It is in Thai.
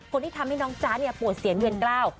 ทำให้น้องจ๊ะเนี่ยปวดเสียนเวียนกล้าว